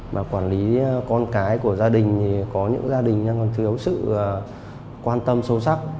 mà quản lý con cái của gia đình thì có những gia đình đang còn thiếu sự quan tâm sâu sắc